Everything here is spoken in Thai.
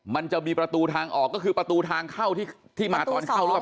มันจะมีประตูทางออกก็คือประตูทางเข้าที่มาตอนเข้ารอบ